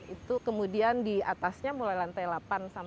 itu kemudian di atasnya mulai ada barang barang